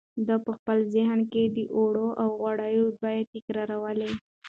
ده په خپل ذهن کې د اوړو او غوړیو بیې تکرارولې.